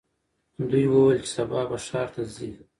دوی وویل چې سبا به ښار ته ځي.